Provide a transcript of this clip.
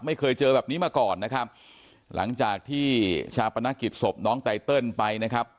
ไม่เคยเจอแบบนี้มาก่อนนะครับหลังจากที่ชาปนกิจศพน้องไตเติลไปนะครับ